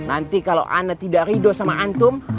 nanti kalau anda tidak ridho sama antum